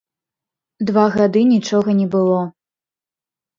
Два гады нічога не было.